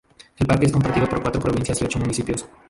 El parque es compartido por cuatro provincias y ocho municipios.